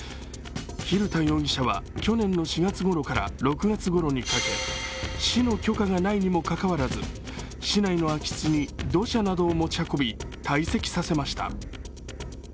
蛭田容疑者は去年の４月ごろから６月ごろにかけて市の許可がないにもかかわらず市内の空き地に土砂などを持ち運び、たい積させました。